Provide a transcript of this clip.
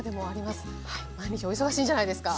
毎日お忙しいんじゃないですか？